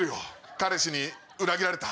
「彼氏に裏切られた。